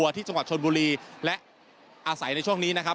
ที่จังหวัดชนบุรีและอาศัยในช่วงนี้นะครับ